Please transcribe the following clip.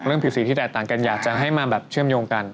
ผิวสีที่แตกต่างกันอยากจะให้มาแบบเชื่อมโยงกัน